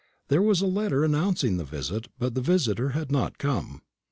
There was the letter announcing the visit, but the visitor had not come."